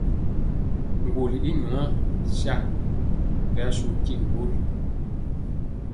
Ŋgɔli i nwa sa ri asu tigi ɓori.